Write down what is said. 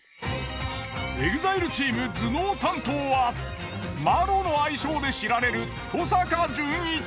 ＥＸＩＬＥチーム頭脳担当は麿の愛称で知られる登坂淳一。